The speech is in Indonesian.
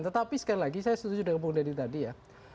tetapi sekali lagi saya setuju dengan bung deddy tadi ya